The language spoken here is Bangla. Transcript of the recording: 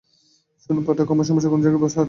শোন পাঠক, আমার সমস্যা কোন জায়গাটায় হচ্ছে।